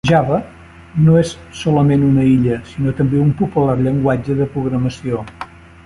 Java no és solament una illa, sinó també un popular llenguatge de programació.